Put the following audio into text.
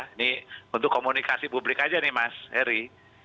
ini untuk komunikasi publik aja nih mas heri